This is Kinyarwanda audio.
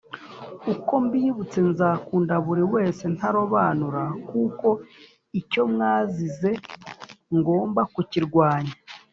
uko mbibutse nzakunda buri wese ntarobanura kuko icyo mwazize ngomba kukirwanya.